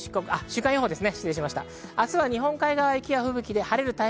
週間予報です。